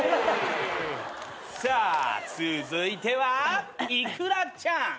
さあ続いてはイクラちゃん。